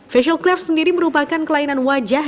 facial cleft sendiri merupakan kelainan wajah